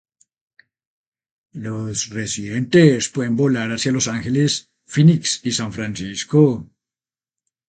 Los residentes pueden volar hacia Los Ángeles, Phoenix, y San Francisco.